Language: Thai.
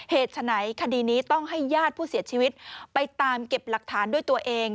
ฉะไหนคดีนี้ต้องให้ญาติผู้เสียชีวิตไปตามเก็บหลักฐานด้วยตัวเอง